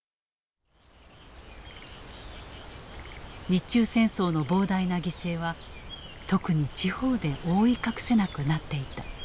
日中戦争の膨大な犠牲は特に地方で覆い隠せなくなっていた。